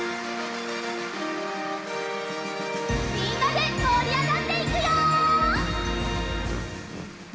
みんなでもりあがっていくよ！